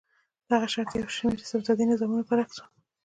دغه شرایط د یو شمېر استبدادي نظامونو برعکس و.